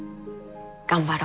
頑張ろ。